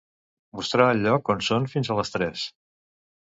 Mostrar el lloc on soc fins a les tres.